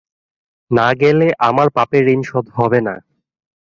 না গেলে আমার পাপের ঋণশোধ হবে না।